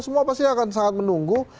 semua pasti akan sangat menunggu